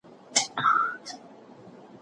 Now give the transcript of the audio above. زما هيله دا ده چي ټول خلګ لوستي وي.